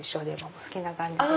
お好きな感じで。